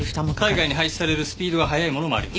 体外に排出されるスピードが速いものもあります。